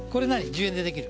１０円でできる？